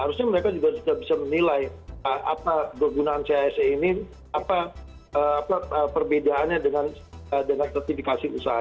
harusnya mereka juga sudah bisa menilai apa bergunaan chse ini apa perbedaannya dengan sertifikasi usaha